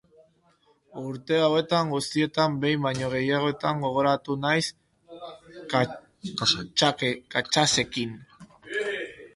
Urte hauetan guztietan, behin baino gehiagotan gogoratu naiz Katxasekin.